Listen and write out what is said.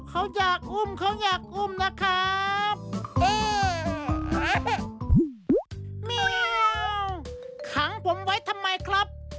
เขาอยากอุ้มนะครับ